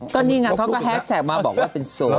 ก็นี่น่ะเขาะแฮชแซคมาบอกว่าเป็นโสด